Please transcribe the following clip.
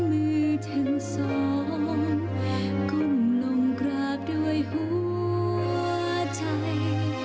มือทั้งสองก้มลงกราบด้วยหัวใจ